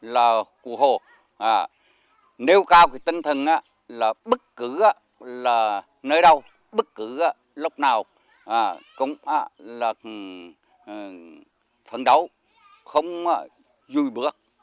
là cụ hồ nêu cao cái tinh thần là bất cứ là nơi đâu bất cứ lúc nào cũng là phấn đấu không rui bước